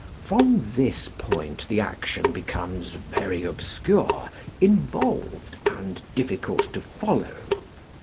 From this point the action becomes very obscure, involved, and difficult to follow.